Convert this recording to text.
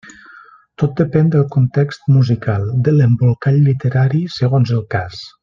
Tot depèn del context musical, i de l'embolcall literari, segons el cas.